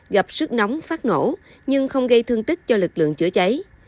gặp sức nóng phát nổ nhưng không gây thương tích cho lực lượng chữa cháy